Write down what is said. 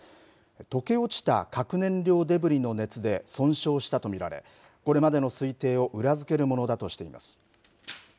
溶け落ちた核燃料デブリの熱で損傷したと見られ、これまでの推定を裏付けるものだとしています。